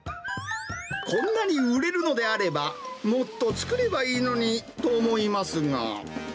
こんなに売れるのであれば、もっと作ればいいのにと思いますが。